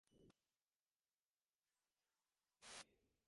ހޯރަފުށި އިމާމުކަމުގެ މަޤާމު